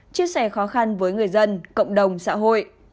chia sẻ khó khăn với người dân cộng đồng xã hội